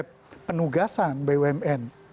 konsep penugasan bumn